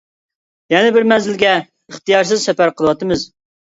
يەنە بىر مەنزىلگە ئىختىيارسىز سەپەر قىلىۋاتىمىز.